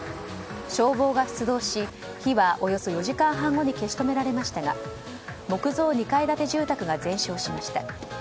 消防が出動し火はおよそ４時間半後に消し止められましたが木造２階建て住宅が全焼しました。